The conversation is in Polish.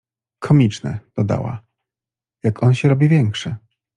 — Komiczne — dodała —jak on się robi większy.